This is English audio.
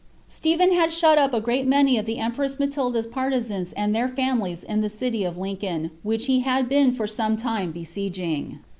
Stephen hail shut up a great many of the empress Matilda's partisans and their fami lies in the city of Lincoln, which he had been for some time besi^[ing.